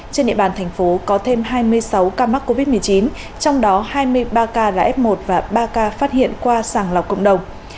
trên địa bàn thành phố có thêm hai mươi sáu ca mắc covid một mươi chín trong đó hai mươi ba ca là f một và ba ca phát hiện qua sàng lọc cộng đồng